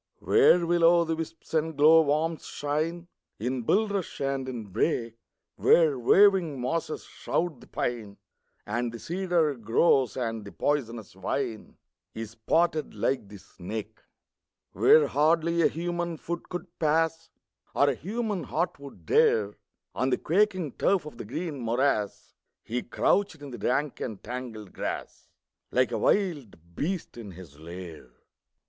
Where will o' the wisps and glowworms shine, In bulrush and in brake; Where waving mosses shroud the pine, And the cedar grows, and the poisonous vine Is spotted like the snake; Where hardly a human foot could pass, Or a human heart would dare, On the quaking turf of the green morass He crouched in the rank and tangled grass, Like a wild beast in his lair.